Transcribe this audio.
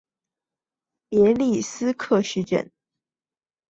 别利斯克市镇是俄罗斯联邦伊尔库茨克州切列姆霍沃区所属的一个市镇。